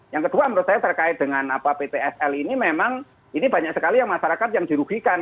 yang kedua menurut saya terkait dengan ptsl ini memang ini banyak sekali yang masyarakat yang dirugikan